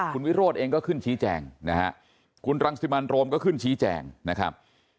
คุณวิโรธเองก็ขึ้นชี้แจงนะฮะคุณรังสิมันโรมก็ขึ้นชี้แจงนะครับ